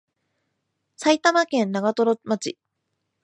埼玉県長瀞町